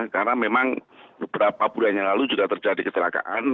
karena memang beberapa bulan yang lalu juga terjadi kecelakaan